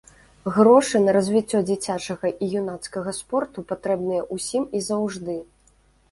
Грошы на развіццё дзіцячага і юнацкага спорту патрэбныя ўсім і заўжды.